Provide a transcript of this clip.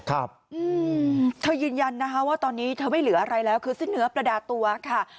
ครับอืมเธอยืนยันนะคะว่าตอนนี้เธอไม่เหลืออะไรแล้วคือสิ้นเนื้อประดาตัวค่ะ